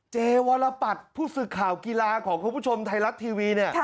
เจวรปัตรผู้สื่อข่าวกีฬาของคุณผู้ชมไทยรัฐทีวีเนี่ย